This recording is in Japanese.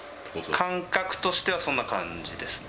感覚としてはそんな感じです。